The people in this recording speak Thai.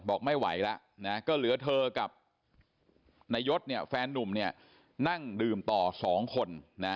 บอกไม่ไหวแล้วก็เหลือเธอกับนายศแฟนนุ่มเนี่ยนั่งดื่มต่อ๒คน